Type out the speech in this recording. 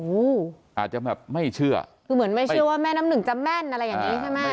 โอ้โหอาจจะแบบไม่เชื่อคือเหมือนไม่เชื่อว่าแม่น้ำหนึ่งจะแม่นอะไรอย่างนี้ใช่ไหม